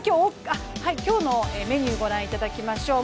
今日のメニューご覧いただきましょう。